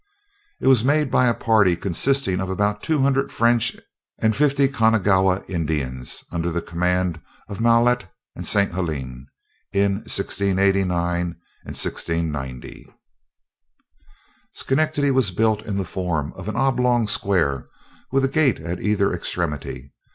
It was made by a party consisting of about two hundred French and fifty Caughnewaga Indians, under command of Maulet and St. Helene, in 1689 and 1690. Schenectady was built in the form of an oblong square with a gate at either extremity.